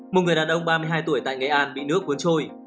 một người đàn ông ba mươi hai tuổi tại nghệ an bị nước cuốn trôi